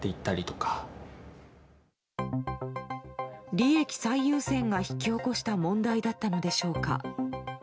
利益最優先が引き起こした問題だったのでしょうか。